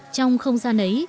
trong không gian ấy